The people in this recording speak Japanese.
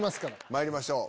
まいりましょう！